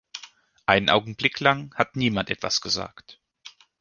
Einen Augenblick lang hat niemand etwas gesagt.